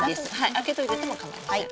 開けといててもかまいません。